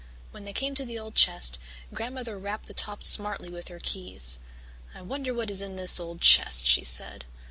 When they came to the old chest, Grandmother rapped the top smartly with her keys. "I wonder what is in this old chest," she said.